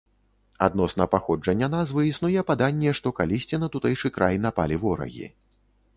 Адносна паходжання назвы існуе паданне, што калісьці на тутэйшы край напалі ворагі.